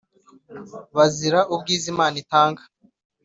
Bazira ubwiza imana itanga